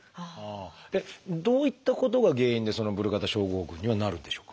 どういったことが原因でそのブルガダ症候群にはなるんでしょうか？